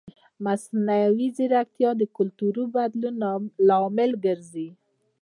مصنوعي ځیرکتیا د کلتوري بدلون لامل ګرځي.